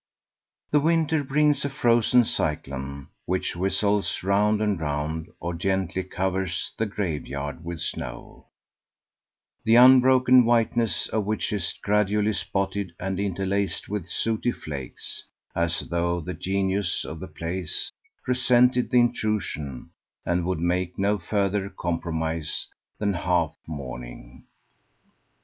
The winter brings a frozen cyclone which whistles round and round or gently covers the graveyard with snow, the unbroken whiteness of which is gradually spotted and interlaced with sooty flakes, as though the genius of the place resented the intrusion and would make no further compromise than half mourning.